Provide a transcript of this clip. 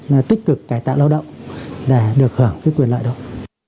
với gia đình và cộng đồng